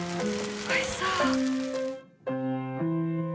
おいしそう！